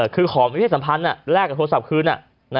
คือขอมีเพศสัมพันธ์แลกกับโทรศัพท์คืน